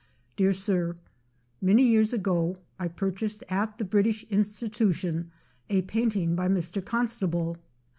“ Dear Sir, Many years ago, I purchased at the British Institution a painting by Mr. Constable.